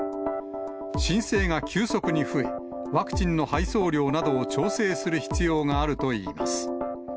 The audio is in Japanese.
申請が急速に増え、ワクチンの配送量などを調整する必要があるといいます。